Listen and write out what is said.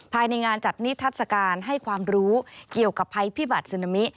ภายในงานจัดนิทัศกาลให้ความรู้เกี่ยวกับภัยพิบัตรซึนามิ